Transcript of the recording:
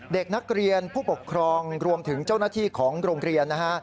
เด็กนักเรียนผู้ปกครองรวมถึงเจ้าหน้าที่ของโรงเรียนนะฮะ